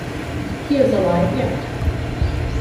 He is alive yet.